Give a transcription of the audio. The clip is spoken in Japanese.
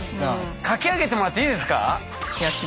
書き上げてもらっていいですか？